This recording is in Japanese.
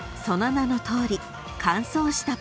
［その名のとおり］